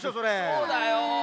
そうだよ。